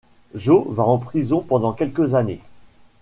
Joe va en prison pendant quelques années.